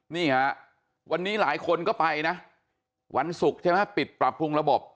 นี่ฮะวันนี้หลายคนก็ไปนะวันศุกร์ใช่ไหมปิดปรับปรุงระบบ